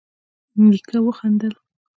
نيکه وخندل: